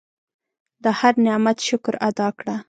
د هر نعمت شکر ادا کړه.